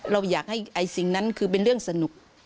เราอยากให้สิ่งนั้นคือเป็นเรื่องสนุก